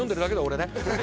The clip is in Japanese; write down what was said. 俺ね